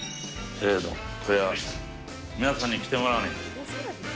これは皆さんに着てもらわないと。